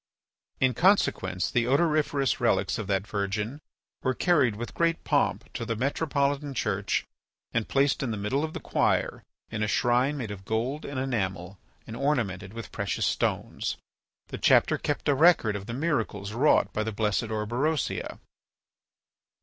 In consequence, the odoriferous relics of that virgin were carried with great pomp to the metropolitan church and placed in the middle of the choir in a shrine made of gold and enamel and ornamented with precious stones. The chapter kept a record of the miracles wrought by the blessed Orberosia.